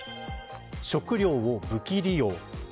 食料を武器利用。